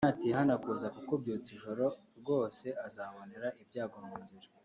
Natihana kuza kukubyutsa ijoro ryose azabonera ibyago mu nzira